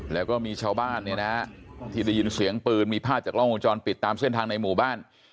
แล้วก็มีชาวบ้านเนี่ยนะที่ได้ยินเสียงปืนมีภาพจากกล้องวงจรปิดตามเส้นทางในหมู่บ้าน